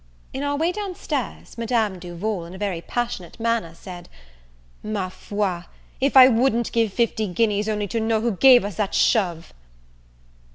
In our way down stairs, Madame Duval, in a very passionate manner, said, "Ma foi, if I wouldn't give fifty guineas only to know who gave us that shove!"